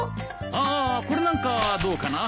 ああこれなんかどうかな？